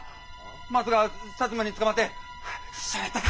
マツが摩に捕まってしゃべったか。